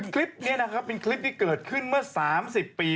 คลิปนี้นะครับเป็นคลิปที่เกิดขึ้นเมื่อ๓๐ปี